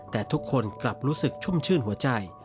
แต่ทุกคนกลับรู้สึกชุ่มชื่นหัวใจ